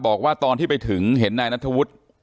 บอกว่าตอนที่ไปถึงเห็นนายนัทธวุฒิ